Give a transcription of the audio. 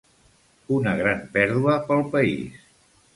Una gran pèrdua pel país.